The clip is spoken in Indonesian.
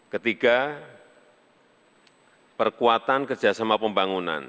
ketiga perkuatan kerjasama pembangunan